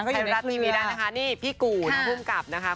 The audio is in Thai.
ก็อยู่ในคลีวีด้านนะคะนี่พี่กูนภูมิกับนะคะค่ะ